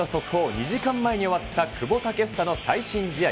２時間前に終わった久保建英の最新試合。